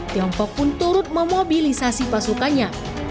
tiongkok pun turut memobilisasi pasukannya